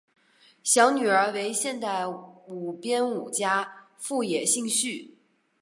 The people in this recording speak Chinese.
小女儿为现代舞编舞家富野幸绪。